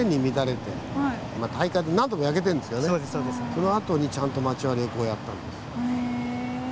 そのあとにちゃんと町割をこうやったんです。